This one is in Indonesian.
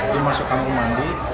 dimasukkan ke kamar mandi